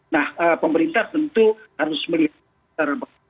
nah pemerintah tentu harus melihat secara baik